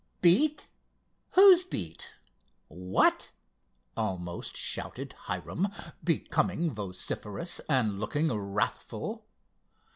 "Beat! who's—beat! what?" almost shouted Hiram, becoming vociferous, and looking wrathful.